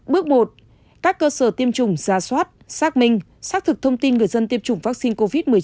bước một các cơ sở tiêm chủng giả soát xác minh xác thực thông tin người dân tiêm chủng vaccine covid một mươi chín